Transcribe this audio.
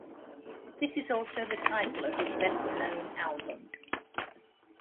This is also the title of his best-known album.